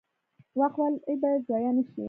وخت ولې باید ضایع نشي؟